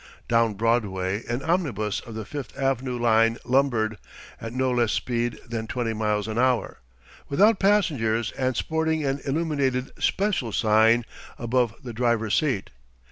Down Broadway an omnibus of the Fifth Avenue line lumbered, at no less speed than twenty miles an hour, without passengers and sporting an illuminated "Special" sign above the driver's seat.